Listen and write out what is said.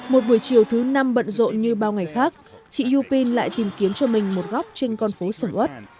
một buổi chiều thứ năm bận rộn như bao ngày khác chị yupin lại tìm kiếm cho mình một góc trên con phố sầm ớt